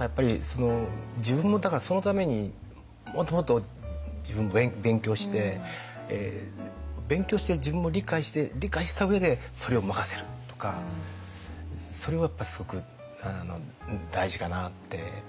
やっぱり自分もだからそのためにもっともっと自分も勉強して勉強してる自分も理解して理解した上でそれを任せるとかそれはやっぱりすごく大事かなって。